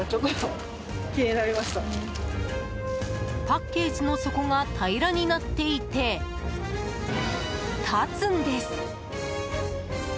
パッケージの底が平らになっていて立つんです！